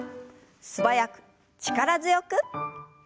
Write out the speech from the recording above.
素早く力強く。